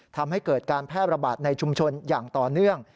ทำให้เกิดการแพร่ระบาดในชุมชนอย่างต่อเนื่อง